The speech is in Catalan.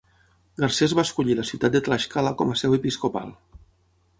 Garcés va escollir la ciutat de Tlaxcala com a seu episcopal.